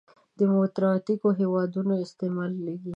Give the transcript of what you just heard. دیموکراتیکو هېوادونو استعمالېږي.